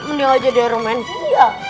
menilai jadi elemen iya